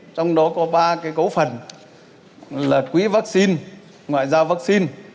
trong đó có ba cấu phần là quỹ vaccine ngoại giao vaccine